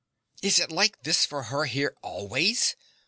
Is it like this for her here always?